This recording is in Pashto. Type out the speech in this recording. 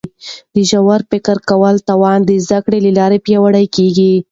د ژور فکر کولو توان د زده کړي له لارې پیاوړی کیږي.